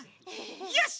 よし！